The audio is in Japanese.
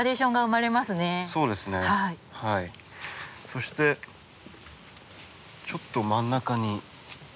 そしてちょっと真ん中に。